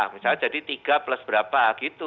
misalnya jadi tiga plus berapa gitu